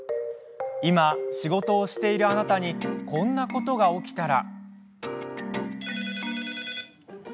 今、仕事をしているあなたに、こんなことが起きたら。